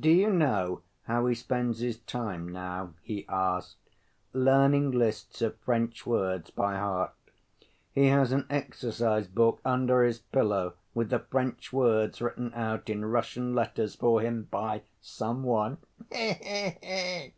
"Do you know how he spends his time now?" he asked; "learning lists of French words by heart. He has an exercise‐book under his pillow with the French words written out in Russian letters for him by some one, he he he!"